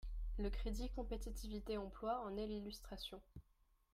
Le crédit compétitivité emploi en est l’illustration.